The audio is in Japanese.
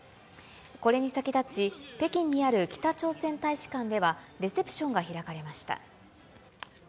これに先立ち、北京にある北朝鮮大使館では、レセプションが開かれました。